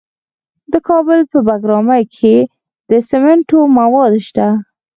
د کابل په بګرامي کې د سمنټو مواد شته.